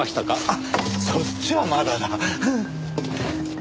あっそっちはまだだ。